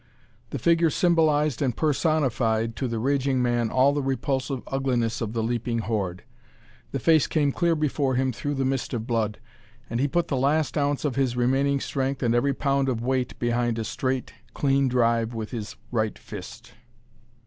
The figure symbolized and personified to the raging man all the repulsive ugliness of the leaping horde. The face came clear before him through the mist of blood, and he put the last ounce of his remaining strength and every pound of weight behind a straight, clean drive with his right fist.